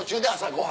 ご飯。